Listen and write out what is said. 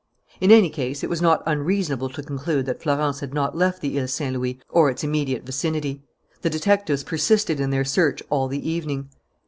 In any case, it was not unreasonable to conclude that Florence had not left the Ile Saint Louis or its immediate vicinity. The detectives persisted in their search all the evening.